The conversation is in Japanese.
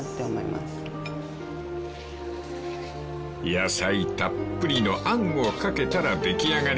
［野菜たっぷりのあんをかけたら出来上がり］